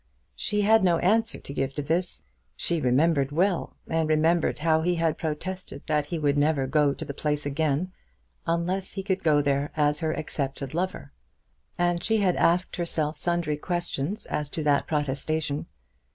She had no answer to give to this. She remembered well, and remembered how he had protested that he would never go to the place again unless he could go there as her accepted lover. And she had asked herself sundry questions as to that protestation.